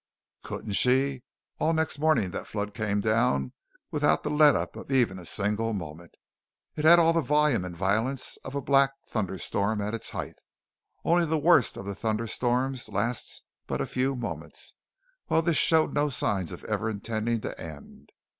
Couldn't she? All next morning that flood came down without the let up of even a single moment. It had all the volume and violence of a black thunderstorm at its height; only the worst of the thunderstorm lasts but a few moments, while this showed no signs of ever intending to end.